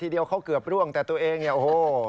เดียวเขาเกือบร่วงแต่ตัวเองเนี่ยโอ้โห